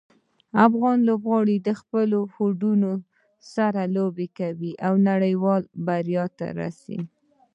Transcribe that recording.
افغان لوبغاړي د خپلو هوډونو سره لوبه کوي او نړیوالې بریا ته رسي.